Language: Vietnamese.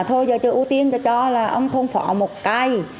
thôi giờ chơi ưu tiên cho cho là ông thôn phỏ một cây